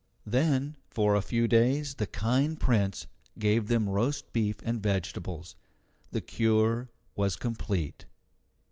Then for a few days the kind Prince gave them roast beef and vegetables. The cure was complete.